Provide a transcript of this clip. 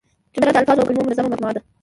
جمله د الفاظو او کلیمو منظمه مجموعه ده.